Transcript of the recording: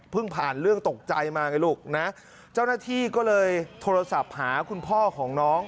ผ่านเรื่องตกใจมาไงลูกนะเจ้าหน้าที่ก็เลยโทรศัพท์หาคุณพ่อของน้อง